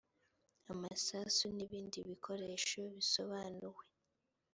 amasasu n’ ibindi bikoresho bisobanuwe